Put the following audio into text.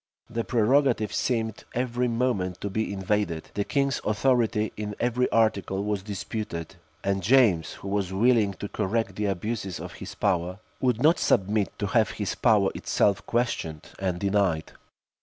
The prerogative seemed every moment to be invaded; the king's authority, in every article, was disputed; and James, who was willing to correct the abuses of his power, would not submit to have his power itself questioned and denied.